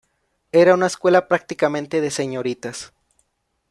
Era una escuela prácticamente de señoritas.